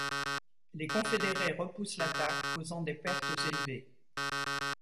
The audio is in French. Les confédérés repoussent l'attaque causant des pertes élevées.